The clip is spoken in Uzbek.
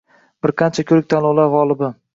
Bir qancha ko’rik tanlovlar g’olibi.